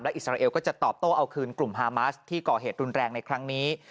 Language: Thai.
อิสราเอลก็จะตอบโต้เอาคืนกลุ่มฮามาสที่ก่อเหตุรุนแรงในครั้งนี้